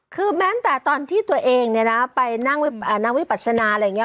คือแม้งแต่ตอนที่ตัวเองนี่นะไปหน้าวิปัสสนาอะไรอย่างนี้